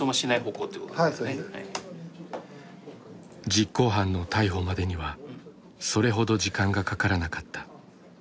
実行犯の逮捕までにはそれほど時間がかからなかった。